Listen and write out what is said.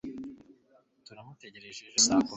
Turamutegereje ejo saa kumi.